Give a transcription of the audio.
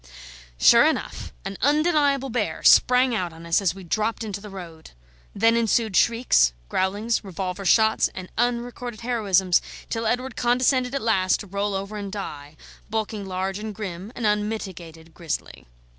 Sure enough an undeniable bear sprang out on us as we dropped into the road; then ensued shrieks, growlings, revolver shots, and unrecorded heroisms, till Edward condescended at last to roll over and die, bulking large and grim, an unmitigated grizzly.